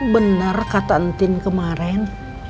bener kata entin kemarin